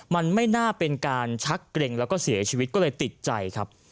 มันไม่น่าเป็นการชักเกร็งแล้วก็เสียชีวิตก็เลยติดใจครับ